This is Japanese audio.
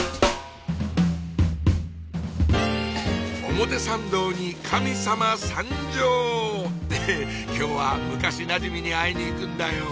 表参道に神様参上！って今日は昔なじみに会いにいくんだよ